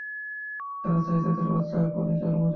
তারা চায় তাদের বাচ্চা আপনি জন্ম দেন।